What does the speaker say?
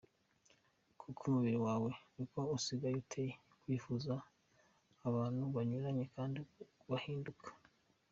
Kuko umubiri wawe niko usigaye uteye: Kwifuza abantu banyuranye kandi bahinduka.